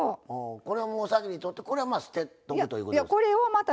これはもう先にとってこれは捨てとくということですか。